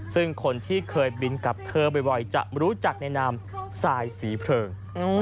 ซึ่งคนที่เคยบินกับเธอบ่อยจะรู้จักในนามสายสีเพลิง